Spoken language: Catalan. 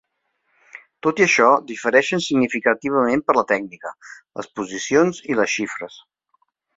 Tot i això, difereixen significativament per la tècnica, les posicions i les xifres.